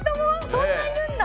そんないるんだ？